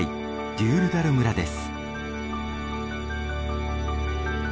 デュールダル村です。